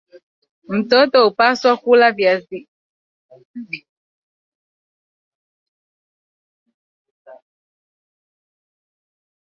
mtoto hupaswa kula vitamin A kwenye kiazi lishe cha gram mia ishirini na tano inayohijika